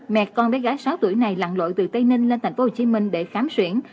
mẹ con bé gái sáu tuổi này lặn lội từ tây ninh lên tp hcm để khám xuyển